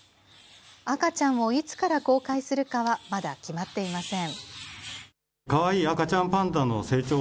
赤ちゃんをいつから公開するかは、まだ決まっていません。